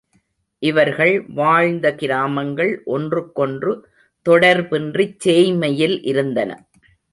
இவர்கள் வாழ்ந்த கிராமங்கள் ஒன்றுக்கொன்று தொடர்பின்றிச் சேய்மையில் இருந்தன.